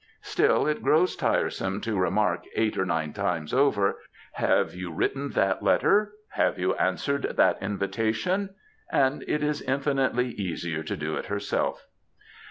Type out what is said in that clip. Still, it grows tiresome to remark eight or nine times over, ^^Have you written that letter ? Have you answered that invitation ?" and it is infinitely easier to do it herself.